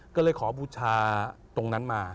ก็เลยขอบูชาตรงนั้นมา